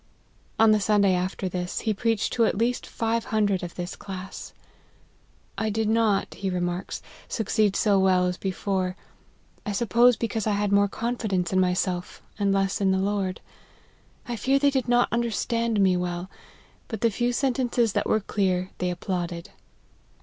On the Sunday after this, he preached to at least five hundred of this class. " I did not," he remarks, " succeed so well as before ; I suppose because I had more confidence in myself, and less in the Lord. I fear they did not understand me well ; but the few sentences that were clear, they applauded.